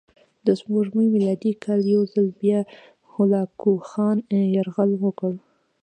په سپوږمیز میلادي کال یو ځل بیا هولاکوخان یرغل وکړ.